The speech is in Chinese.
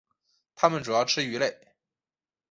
它们主要吃鱼类。